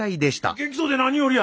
元気そうで何よりや。